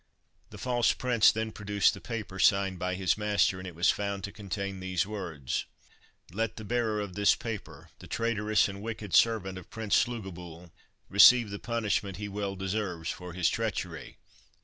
The false prince then produced the paper signed by his master, and it was found to contain these words— "Let the bearer of this paper, the traitorous and wicked servant of Prince Slugobyl, receive the punishment he well deserves for his treachery.